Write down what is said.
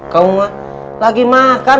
kamu gak lagi makan